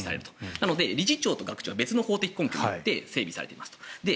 なので理事長と学長は別の法的根拠で整備されていますと。